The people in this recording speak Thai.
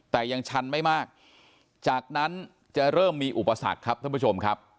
แต่ยังชันไม่มากจากนั้นจะเริ่มมีอุปสรรคครับท่านผู้ชมครับ